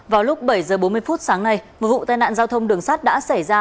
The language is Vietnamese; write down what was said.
vào lúc bảy h bốn mươi sáng nay một vụ tai nạn giao thông đường sát đã xảy ra